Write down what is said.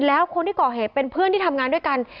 แล้วคนที่ก่อเหตุเป็นเพื่อนที่ทำงานด้วยกัน